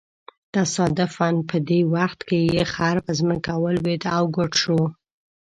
تصادفاً په دې وخت کې یې خر په ځمکه ولویېد او ګوډ شو.